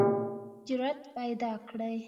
جرئت پیداکړئ